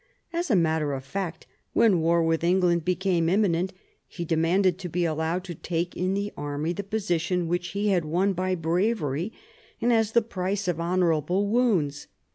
As a matter of fact when war with England became imminent he demanded to be allowed to take in the army the position which he had won by bravery and as the price of honourable wounds.